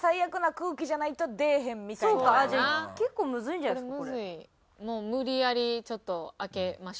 じゃあ結構むずいんじゃないですか？